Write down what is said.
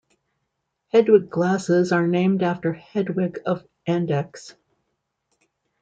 Hedwig glasses are named after Hedwig of Andechs.